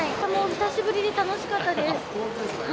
久しぶりで楽しかったです。